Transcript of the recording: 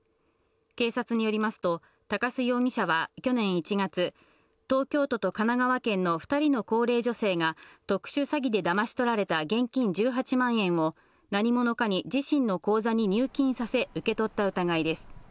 警察によりますと、鷹巣容疑者は去年１月、東京都と神奈川県の２人の高齢女性が、特殊詐欺でだまし取られた現金１８万円を、何者かに自身の口座に入金させ受け取った疑いです。